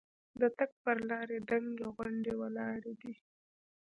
د تګ پر لارې دنګې غونډۍ ولاړې دي.